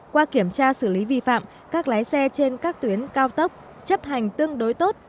qua kiểm tra xử lý vi phạm các lái xe trên các tuyến cao tốc chấp hành tương đối tốt